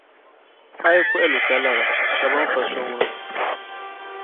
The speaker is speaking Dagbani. A yi kɔhi n-lu ka kuhira, ka bɛ ni fa so ŋuna?